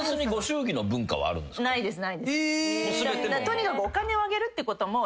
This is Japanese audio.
とにかくお金をあげるってことも。